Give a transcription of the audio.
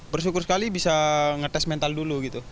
bersyukur sekali bisa ngetes mental dulu gitu